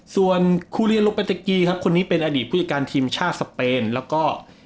ส่วนคูเรียนโลเปตะกีครับคนนี้เป็นอดีตผู้จัดการทีมชาติสเปนแล้วก็